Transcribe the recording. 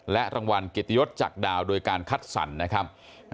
และรางวัลเกียรติยศจากดาวโดยการคัดสรรนะครับ